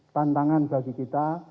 tantangan bagi kita